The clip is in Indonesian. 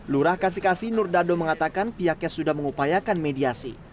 lurah kasih kasih nur dado mengatakan pihaknya sudah mengupayakan mediasi